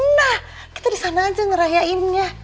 nah kita di sana aja ngerayainnya